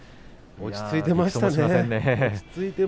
落ち着いていましたね。